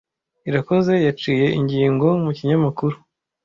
Irakoze yaciye ingingo mu kinyamakuru.